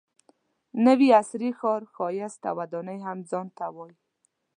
نوي عصري ښار ښایست او ودانۍ هم ځان ته وایي.